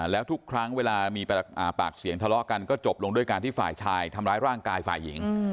แล้วทุกครั้งเวลามีปากเสียงทะเลาะกันก็จบลงด้วยการที่ฝ่ายชายทำร้ายร่างกายฝ่ายหญิง